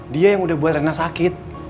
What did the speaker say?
dia yang udah buat rena sakit